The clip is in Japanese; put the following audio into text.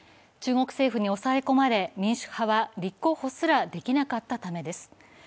中国政府に抑え込まれ、民主派は立候補すらできなかったためです。